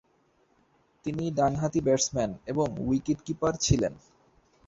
তিনি ডানহাতি ব্যাটসম্যান এবং উইকেট কিপার ছিলেন।